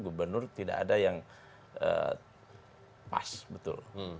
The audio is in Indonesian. gubernur tidak ada yang pas betul